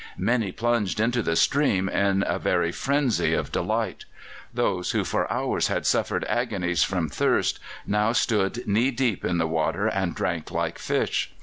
Many plunged into the stream in a very frenzy of delight. Those who for hours had suffered agonies from thirst now stood knee deep in the water and drank like fish.